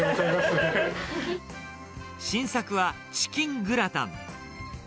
新作は、チキングラタン。